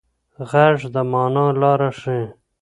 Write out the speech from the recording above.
غږ د مانا لاره ښيي.